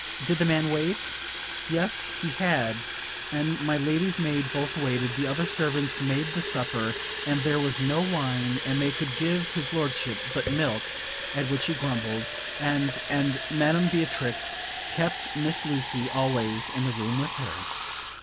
"Did the man wait?" Yes, he and my lady's maid both waited: the other servants made the supper; and there was no wine, and they could give his lordship but milk, at which he grumbled; and and Madam Beatrix kept Miss Lucy always in the room with her.